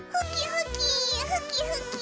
ふきふき。